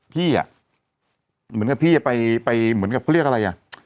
พี่เหมือนเขาเรียกว่า